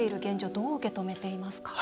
どう受け止めていますか？